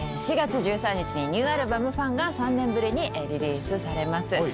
４月１３日にニューアルバム『ＦＵＮ』が３年ぶりにリリースされます。